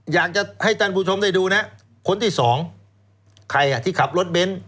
อยากจะให้ท่านผู้ชมได้ดูนะคนที่สองใครอ่ะที่ขับรถเบนท์